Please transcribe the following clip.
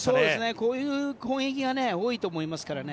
こういう攻撃が多いと思いますからね